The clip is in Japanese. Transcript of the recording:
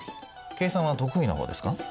計算は得意な方ですか？